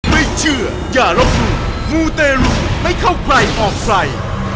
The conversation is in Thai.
ไม่เชื่ออย่ารบมูมูเตรุไม่เข้าใกล้ออกไฟ